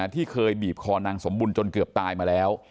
ที่เคยบีบคอนางสมบุญจนเกือบตายมาแล้ว